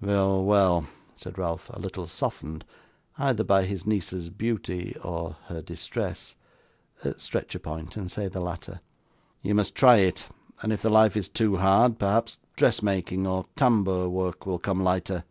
'Well, well,' said Ralph, a little softened, either by his niece's beauty or her distress (stretch a point, and say the latter). 'You must try it, and if the life is too hard, perhaps dressmaking or tambour work will come lighter.